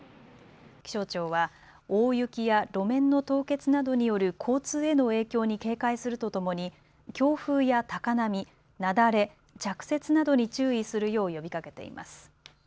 気象庁は大雪や路面の凍結などによる交通への影響に警戒するとともに強風や高波、雪崩着雪などに注意するよう呼びかけています。